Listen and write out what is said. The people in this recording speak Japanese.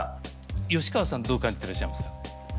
吉川さんどう感じてらっしゃいますか？